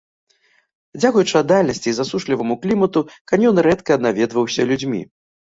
Дзякуючы аддаленасці і засушліваму клімату каньён рэдка наведваўся людзьмі.